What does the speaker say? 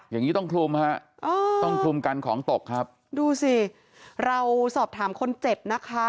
อย่างนี้ต้องคลุมฮะต้องคลุมกันของตกครับดูสิเราสอบถามคนเจ็บนะคะ